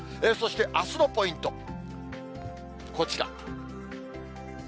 そしてあすのポイント。